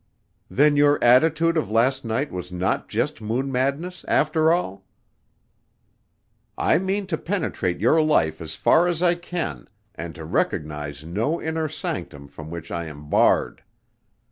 "Then your attitude of last night was not just moon madness, after all?" "I mean to penetrate your life as far as I can and to recognize no inner sanctum from which I am barred.